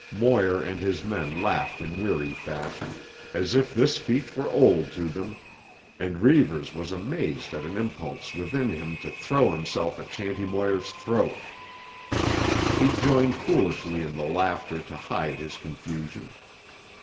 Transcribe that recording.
Moir and his man laughed in weary fashion, as if this speech were old to them, and Reivers was amazed at an impulse within him to throw himself at Shanty Moir's throat. He joined foolishly in the laughter to hide his confusion.